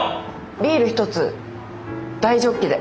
ビール１つ大ジョッキで。